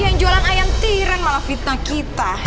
yang jualan ayam tiren malah fitnah kita